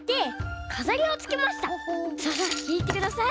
さあさあひいてください。